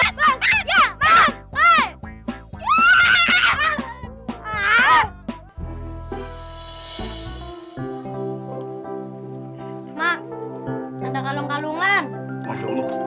ini mah kalung emas